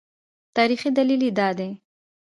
تاریخي دلیل یې دا دی.